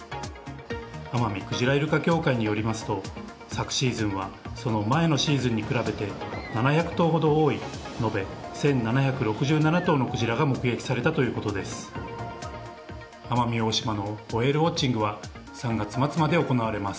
奄美クジラ・イルカ協会によりますと昨シーズンはその前のシーズンに比べて７００頭ほど多い延べ１７６７頭のクジラが目撃されたということです。